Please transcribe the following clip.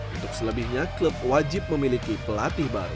untuk selebihnya klub wajib memiliki pelatih baru